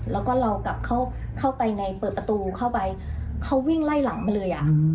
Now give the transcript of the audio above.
แล้วก็เรากลับเข้าไปในเปิดประตูเข้าไปเขาวิ่งไล่หลังมาเลยอ่ะ